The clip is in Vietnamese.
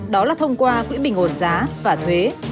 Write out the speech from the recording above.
đó là thông qua quỹ bình ổn giá và thuế